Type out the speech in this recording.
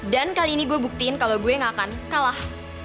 dan kali ini gue buktiin kalau gue gak akan kalah